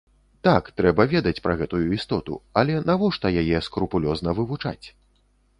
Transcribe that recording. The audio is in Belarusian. Так, трэба ведаць пра гэтую істоту, але навошта яе скрупулёзна вывучаць?